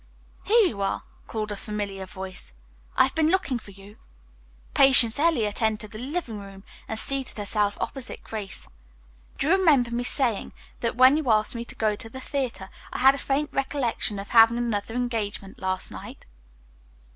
"Here you are!" called a familiar voice, "I've been looking for you." Patience Eliot entered the living room, and seated herself opposite Grace. "Do you remember my saying when you asked me to go to the theater that I had a faint recollection of having another engagement last night?"